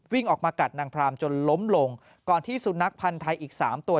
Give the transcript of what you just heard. วิ่งออกมากัดนางพรามจนล้มลงก่อนที่สุนัขพันธ์ไทยอีกสามตัว